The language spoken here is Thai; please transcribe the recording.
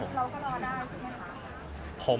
เราก็รอได้ใช่ไหมคะ